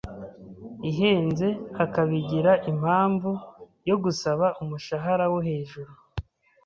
ihenze akabigira impamvu yo gusaba umushahara wo hejuru?